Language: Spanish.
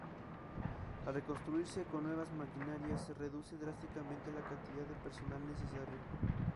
Al reconstruirse con nuevas maquinarias, se reduce drásticamente la cantidad de personal necesario.